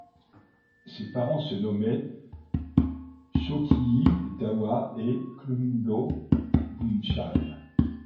Ses parents se nommaient Chökyi Dawa et Klungno Bumcham.